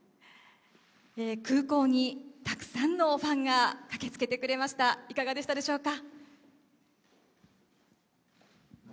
空港にたくさんのファンが駆けつけてくれました、いかがでしたでしょうか。